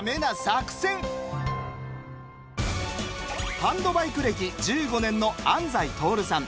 ハンドバイク歴１５年の安斎透さん。